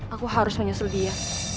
aku harus menyusul dia